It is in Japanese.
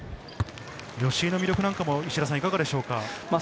吉井の魅力なんかもいかがでしょうか？